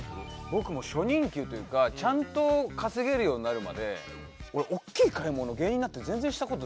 僕も初任給というかちゃんと稼げるようになるまで俺大きい買い物芸人になって全然した事ないなと思って。